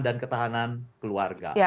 dan ketahanan keluarga